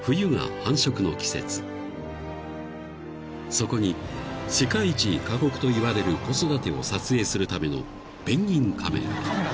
［そこに世界一過酷といわれる子育てを撮影するための］